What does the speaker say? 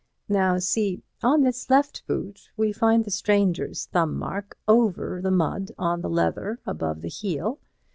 Now see: on this left boot we find the stranger's thumb mark over the mud on the leather above the heel.